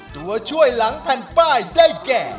ตัวช่วยหลังแผ่นป้ายได้แก่